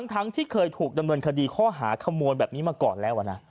ทั้งที่เคยถูกดำเนินคดีข้อหาขโมยแบบนี้มาก่อนแล้วนะ